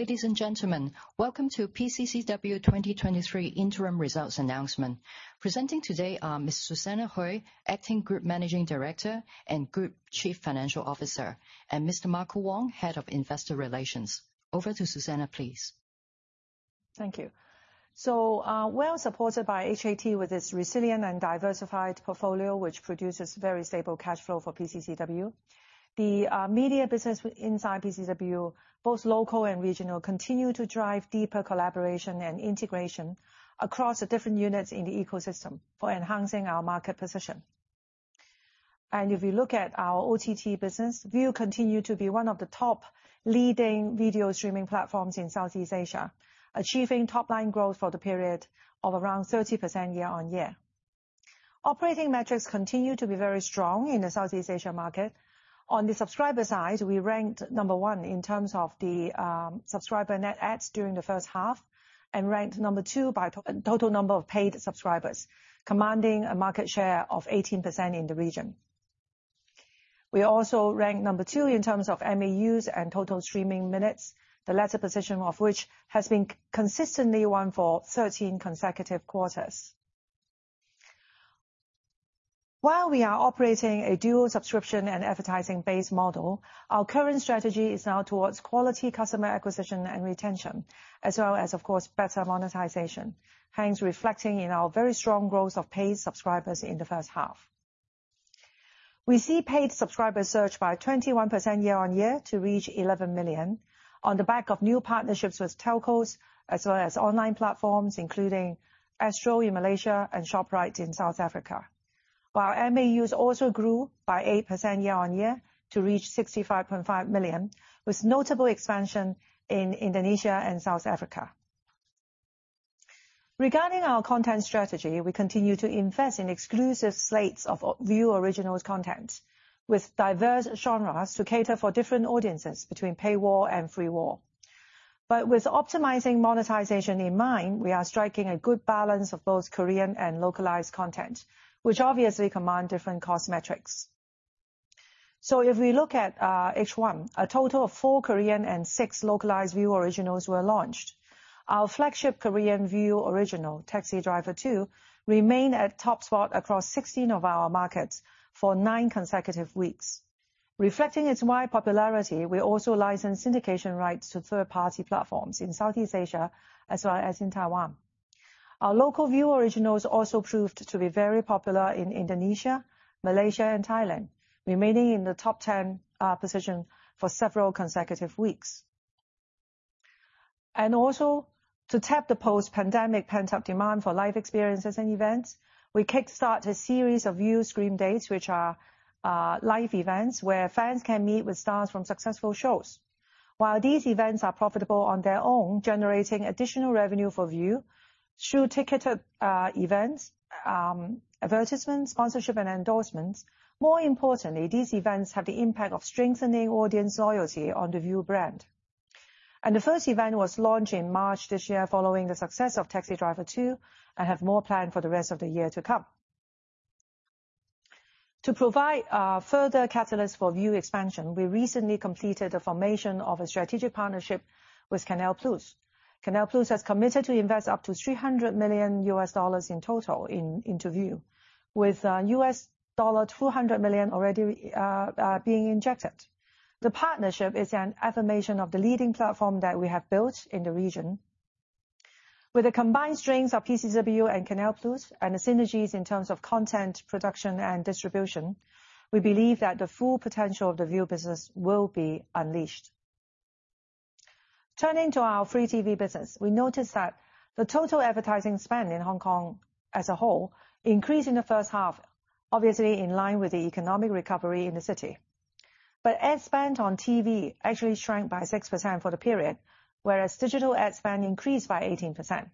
Ladies and gentlemen, welcome to PCCW 2023 Interim Results Announcement. Presenting today are Ms. Susanna Hui, Acting Group Managing Director and Group Chief Financial Officer, and Mr. Marco Wong, Head of Investor Relations. Over to Susanna, please. Thank you. Well supported by HKT with its resilient and diversified portfolio, which produces very stable cash flow for PCCW. The media business inside PCCW, both local and regional, continue to drive deeper collaboration and integration across the different units in the ecosystem for enhancing our market position. If you look at our OTT business, Viu continue to be one of the top leading video streaming platforms in Southeast Asia, achieving top-line growth for the period of around 30% year-on-year. Operating metrics continue to be very strong in the Southeast Asia market. On the subscriber side, we ranked number one in terms of the subscriber net adds during the first half, and ranked number two by total number of paid subscribers, commanding a market share of 18% in the region. We also ranked number two in terms of MAUs and total streaming minutes, the latter position of which has been consistently won for 13 consecutive quarters. While we are operating a dual subscription and advertising-based model, our current strategy is now towards quality customer acquisition and retention, as well as, of course, better monetization, hence reflecting in our very strong growth of paid subscribers in the first half. We see paid subscribers surge by 21% year-on-year to reach 11 million, on the back of new partnerships with telcos, as well as online platforms, including Astro in Malaysia and Shoprite in South Africa. While our MAUs also grew by 8% year-on-year to reach 65.5 million, with notable expansion in Indonesia and South Africa. Regarding our content strategy, we continue to invest in exclusive slates of Viu Originals content, with diverse genres to cater for different audiences between paywall and freewall. With optimizing monetization in mind, we are striking a good balance of both Korean and localized content, which obviously command different cost metrics. If we look at H1, a total of 4 Korean and six localized Viu Originals were launched. Our flagship Korean Viu Original, Taxi Driver 2, remained at top spot across 16 of our markets for 9 consecutive weeks. Reflecting its wide popularity, we also licensed syndication rights to third-party platforms in Southeast Asia, as well as in Taiwan. Our local Viu Originals also proved to be very popular in Indonesia, Malaysia, and Thailand, remaining in the top 10 position for several consecutive weeks. To tap the post-pandemic pent-up demand for live experiences and events, we kickstart a series of Viu Screen Days, which are live events where fans can meet with stars from successful shows. While these events are profitable on their own, generating additional revenue for Viu through ticketed events, advertisement, sponsorship, and endorsements, more importantly, these events have the impact of strengthening audience loyalty on the Viu brand. The first event was launched in March this year, following the success of Taxi Driver 2, and have more planned for the rest of the year to come. To provide further catalyst for Viu expansion, we recently completed the formation of a strategic partnership with CANAL+. CANAL+ has committed to invest up to $300 million in total into, into Viu, with $200 million already being injected. The partnership is an affirmation of the leading platform that we have built in the region. With the combined strengths of PCCW and CANAL+, and the synergies in terms of content, production, and distribution, we believe that the full potential of the Viu business will be unleashed. Turning to our free TV business, we noticed that the total advertising spend in Hong Kong as a whole increased in the first half, obviously in line with the economic recovery in the city. Ad spend on TV actually shrank by 6% for the period, whereas digital ad spend increased by 18%.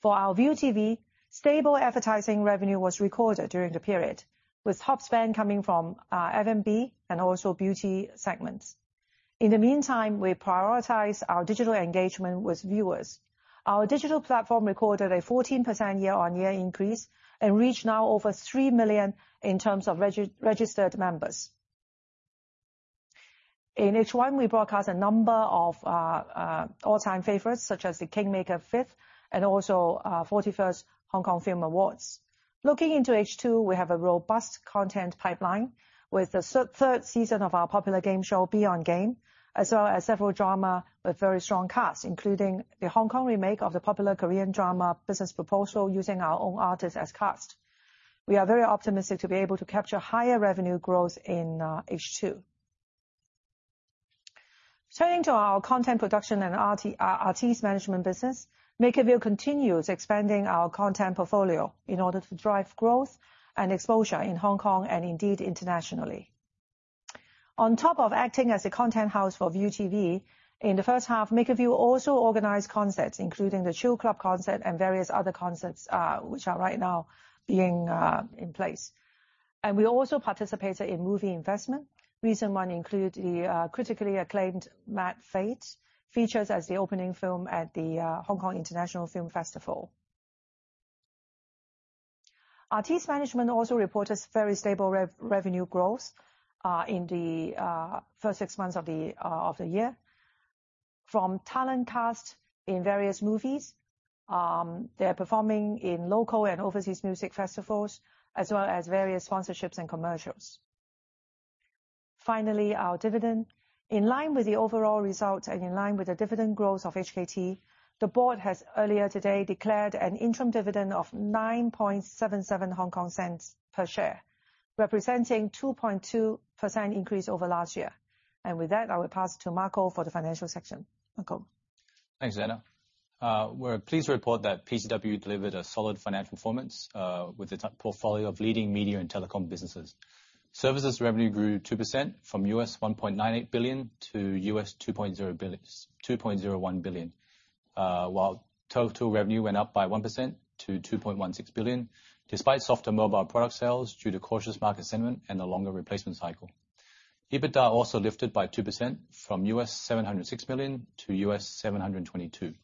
For our ViuTV, stable advertising revenue was recorded during the period, with top spend coming from F&B and also beauty segments. In the meantime, we prioritize our digital engagement with viewers. Our digital platform recorded a 14% year-on-year increase, and reached now over 3 million in terms of registered members. In H1, we broadcast a number of all-time favorites, such as the King Maker V, and also 41st Hong Kong Film Awards. Looking into H2, we have a robust content pipeline, with the 3rd season of our popular game show, Beyond Game, as well as several drama with very strong casts, including the Hong Kong remake of the popular Korean drama, Business Proposal, using our own artists as cast. We are very optimistic to be able to capture higher revenue growth in H2. Turning to our content production and our artist management business, MakerVille continues expanding our content portfolio in order to drive growth and exposure in Hong Kong, and indeed internationally. On top of acting as a content house for ViuTV, in the first half, MakerVille also organized concerts, including the Chill Club concert and various other concerts, which are right now being in place. We also participated in movie investment. Recent one include the critically acclaimed Mad Fate, features as the opening film at the Hong Kong International Film Festival. Our artist management also reported very stable revenue growth in the first six months of the year. From talent cast in various movies, they're performing in local and overseas music festivals, as well as various sponsorships and commercials. Finally, our dividend. In line with the overall results and in line with the dividend growth of HKT, the board has earlier today declared an interim dividend of 9.77 Hong Kong cents per share, representing 2.2% increase over last year. With that, I will pass to Marco for the financial section. Marco? Thanks, Anna. We're pleased to report that PCCW delivered a solid financial performance with its portfolio of leading media and telecom businesses. Services revenue grew 2% from $1.98 billion to $2.0 billion, $2.01 billion, while total revenue went up by 1% to $2.16 billion, despite softer mobile product sales due to cautious market sentiment and a longer replacement cycle. EBITDA also lifted by 2% from $706 million to $722 million.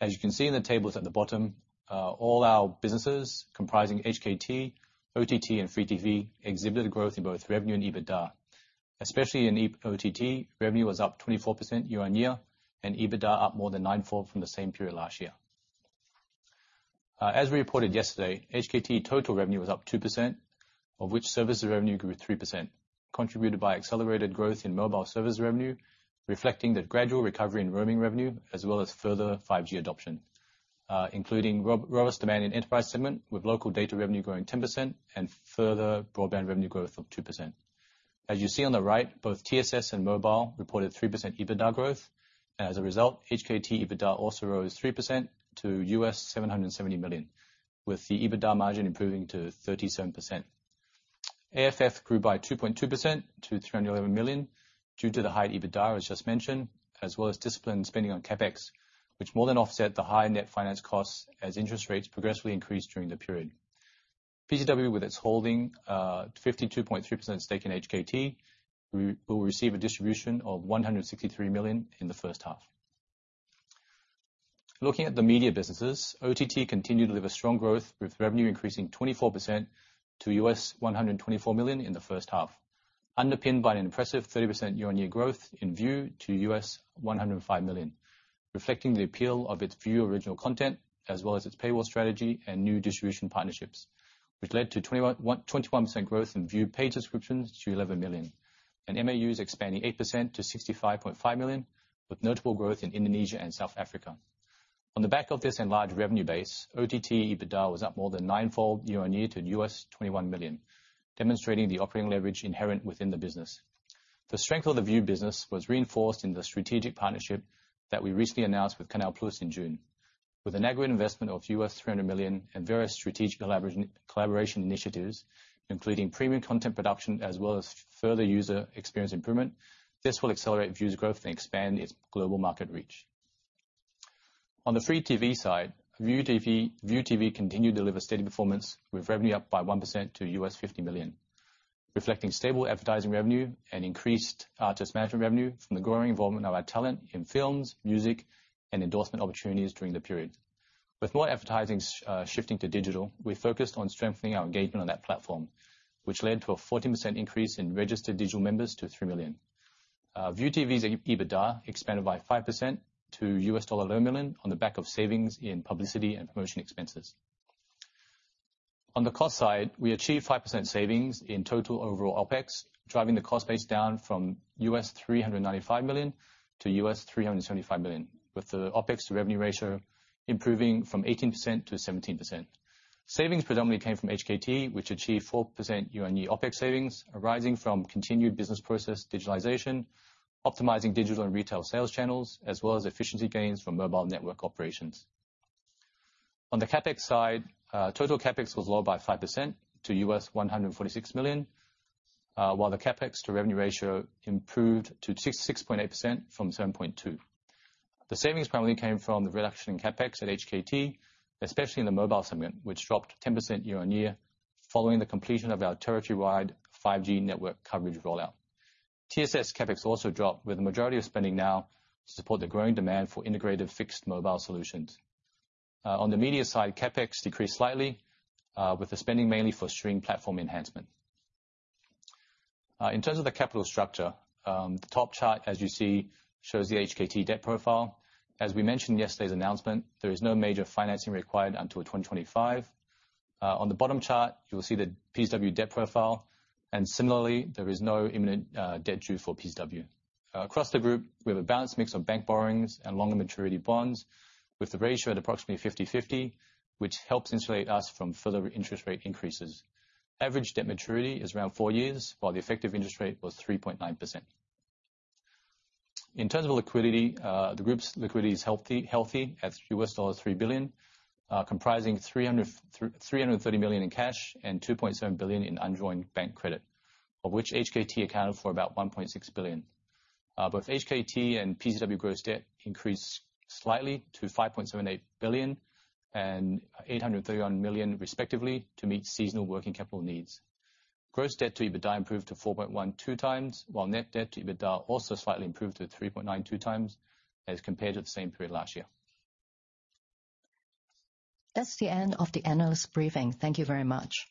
As you can see in the tables at the bottom, all our businesses, comprising HKT, OTT, and free TV, exhibited growth in both revenue and EBITDA. Especially in OTT, revenue was up 24% year-on-year, and EBITDA up more than ninefold from the same period last year. As we reported yesterday, HKT total revenue was up 2%, of which services revenue grew 3%, contributed by accelerated growth in mobile services revenue, reflecting the gradual recovery in roaming revenue, as well as further 5G adoption. Including robust demand in enterprise segment, with local data revenue growing 10% and further broadband revenue growth of 2%. As you see on the right, both TSS and mobile reported 3% EBITDA growth. As a result, HKT EBITDA also rose 3% to $770 million, with the EBITDA margin improving to 37%. AFF grew by 2.2% to $311 million due to the high EBITDA, as just mentioned, as well as disciplined spending on CapEx, which more than offset the high net finance costs as interest rates progressively increased during the period. PCCW, with its holding 52.3% stake in HKT, we will receive a distribution of $163 million in the first half. Looking at the media businesses, OTT continued to deliver strong growth, with revenue increasing 24% to US $124 million in the first half, underpinned by an impressive 30% year-on-year growth in Viu to US $105 million, reflecting the appeal of its Viu original content, as well as its paywall strategy and new distribution partnerships, which led to 21% growth in Viu paid subscriptions to 11 million, and MAUs expanding 8% to 65.5 million, with notable growth in Indonesia and South Africa. On the back of this enlarged revenue base, OTT EBITDA was up more than ninefold year-on-year to US $21 million, demonstrating the operating leverage inherent within the business. The strength of the Viu business was reinforced in the strategic partnership that we recently announced with CANAL+ in June. With an aggregate investment of $300 million and various strategic collaboration initiatives, including premium content production as well as further user experience improvement, this will accelerate Viu's growth and expand its global market reach. On the free TV side, ViuTV continued to deliver steady performance, with revenue up by 1% to $50 million, reflecting stable advertising revenue and increased artist management revenue from the growing involvement of our talent in films, music, and endorsement opportunities during the period. With more advertising shifting to digital, we focused on strengthening our engagement on that platform, which led to a 14% increase in registered digital members to 3 million. ViuTV's EBITDA expanded by 5% to $1 million on the back of savings in publicity and promotion expenses. On the cost side, we achieved 5% savings in total overall OpEx, driving the cost base down from $395 millio- to $375 million, with the OpEx to revenue ratio improving from 18% to 17%. Savings predominantly came from HKT, which achieved 4% year-on-year OpEx savings, arising from continued business process digitalization, optimizing digital and retail sales channels, as well as efficiency gains from mobile network operations. On the CapEx side, total CapEx was low by 5% to $146 million, while the CapEx to revenue ratio improved to 6.8% from 7.2%. The savings primarily came from the reduction in CapEx at HKT, especially in the mobile segment, which dropped 10% year-on-year following the completion of our territory-wide 5G network coverage rollout. TSS CapEx also dropped, with the majority of spending now to support the growing demand for integrated fixed mobile solutions. On the media side, CapEx decreased slightly, with the spending mainly for streaming platform enhancement. In terms of the capital structure, the top chart, as you see, shows the HKT debt profile. As we mentioned in yesterday's announcement, there is no major financing required until 2025. On the bottom chart, you will see the PCCW debt profile, and similarly, there is no imminent debt due for PCCW. Across the group, we have a balanced mix of bank borrowings and longer maturity bonds, with the ratio at approximately 50/50, which helps insulate us from further interest rate increases. Average debt maturity is around 4 years, while the effective interest rate was 3.9%. In terms of liquidity, the group's liquidity is healthy, at $3 billion, comprising $330 million in cash and $2.7 billion in undrawn bank credit, of which HKT accounted for about $1.6 billion. Both HKT and PCCW gross debt increased slightly to $5.78 billion and $831 million, respectively, to meet seasonal working capital needs. Gross debt to EBITDA improved to 4.12 times, while net debt to EBITDA also slightly improved to 3.92 times as compared to the same period last year. That's the end of the analyst briefing. Thank you very much.